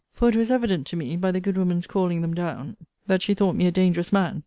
For it was evident to me, by the good woman's calling them down, that she thought me a dangerous man.